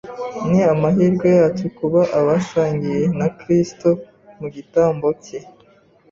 Ni amahirwe yacu kuba abasangiye na Kristo mu gitambo cye.